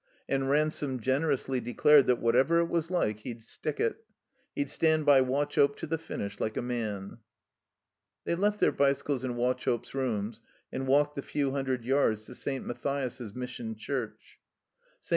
And Ransome, generously, de dared that whatever it was Uke, he'd stick it. He'd stand by Wauchope to the finish, like a man. They left their bicycles in Wauchope's rooms, and walked the few htmdred yards to St. Matthias's Mission Church. St.